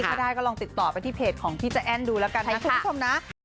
ถ้าได้ก็ลองติดต่อไปที่เพจของพี่ใจแอ้นดูแล้วกันนะคุณผู้ชมนะ